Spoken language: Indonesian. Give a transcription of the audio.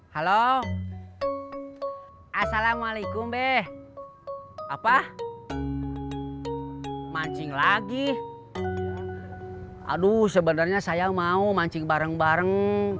halo assalamualaikum deh apa mancing lagi aduh sebenarnya saya mau mancing bareng bareng